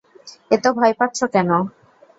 এত ভয় পাচ্ছ কেন?